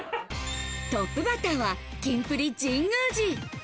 トップバッターはキンプリ・神宮寺。